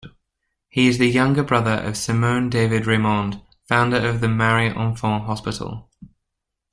He is the younger brother of Simone David-Raymond founder of the Marie-Enfant Hospital.